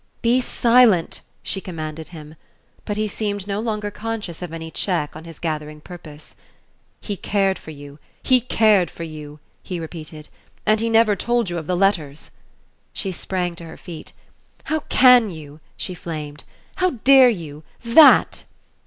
"Be silent!" she commanded him; but he seemed no longer conscious of any check on his gathering purpose. "He cared for you he cared for you," he repeated, "and he never told you of the letters " She sprang to her feet. "How can you?" she flamed. "How dare you? THAT